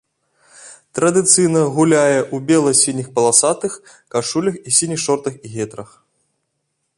Традыцыйна гуляе ў бела-сініх паласатых кашулях і сініх шортах і гетрах.